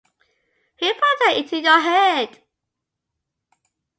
Who put that into your head?